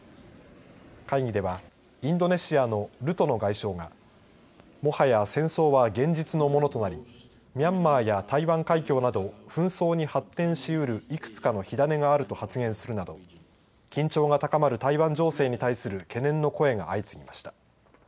会議ではインドネシアのルトノ外相がもはや戦争は現実のものとなりミャンマーや台湾海峡など紛争に発展しうるいくつかの火種があると発言するなど緊張が高まる台湾情勢に対する懸念の声が相次ぎました。